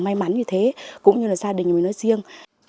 may mắn như thế cũng như là gia đình mình nói riêng